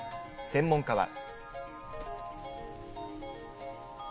専門家は。